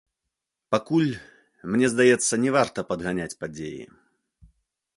Пакуль, мне здаецца, не варта падганяць падзеі.